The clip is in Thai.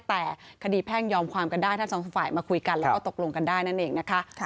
แต่คดีแพ่งยอมความกันได้ทั้งสองฝ่ายมาคุยกันแล้วก็ตกลงกันได้นั่นเองนะคะ